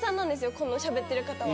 このしゃべってる方は。